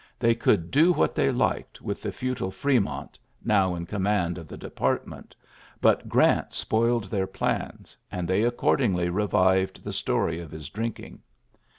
They could do what they liked with the futile Fremont, now in command of the de partment; but Grant spoiled their plans, and they accordingly revived the story of his drinking.